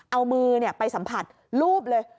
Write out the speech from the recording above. เอามือไปสัมผัสรูปเลย